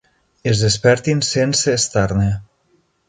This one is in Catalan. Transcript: Es despertin sense estar-ne.